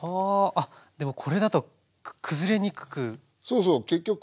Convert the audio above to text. あっでもこれだと崩れにくくなりますね。